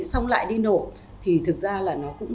xong lại đi nổ thì thực ra là nó cũng